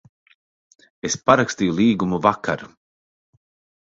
Es parakstīju līgumu vakar.